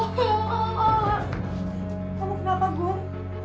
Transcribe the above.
kamu kenapa guru